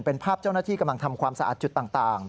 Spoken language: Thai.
เป็นภาพเจ้าหน้าที่กำลังทำความสะอาดจุดต่าง